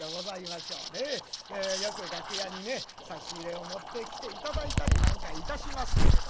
よく楽屋に差し入れを持ってきて頂いたりなんかいたしますけれどもね